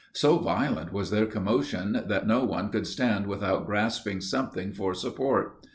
So violent was their commotion that no one could stand without grasping something for support.